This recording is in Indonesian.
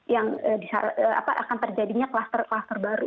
yang akan terjadinya klaster klaster baru